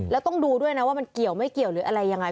แล้วต้องดูด้วยนะว่ามันเกี่ยวไม่เกี่ยวหรืออะไรยังไง